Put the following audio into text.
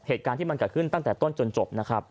เหตุการณ์ที่มันเกิดขึ้นตั้งแต่ต้นจนจบนะครับ